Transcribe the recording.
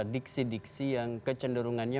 diksi diksi yang kecenderungannya